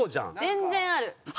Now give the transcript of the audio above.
全然ある。